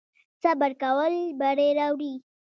صبر کول بری راوړي